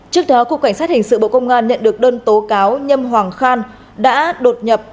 trước đó cục cảnh sát hình sự bộ công an nhận được đơn tố cáo nhâm hoàng khan đã đột nhập